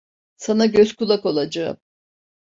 Sana göz kulak olacağım.